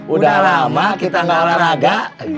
udah lama kita nggak rara raga